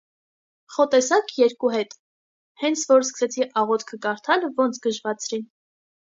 Խո տեսաք, երկու հետ, հենց որ սկսեցի աղոթքը կարդալ, ոնց գժվացրին: